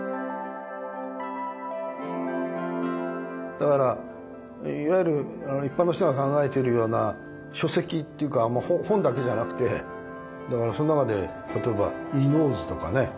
だからいわゆる一般の人が考えてるような書籍っていうか本だけじゃなくてだからその中で例えば「伊能図」とかね。